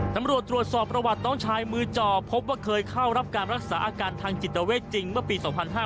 ตำรวจตรวจสอบประวัติน้องชายมือจ่อพบว่าเคยเข้ารับการรักษาอาการทางจิตเวทจริงเมื่อปี๒๕๕๙